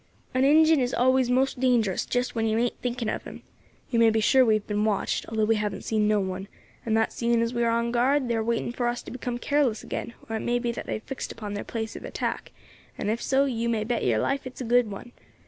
"An Injin is always most dangerous just when you ain't thinking of him. You may be sure we have been watched, although we haven't seen no one, and that seeing as we are on guard they are waiting for us to become careless again; or it may be they have fixed upon their place of attack, and if so, you may bet yer life it is a good one.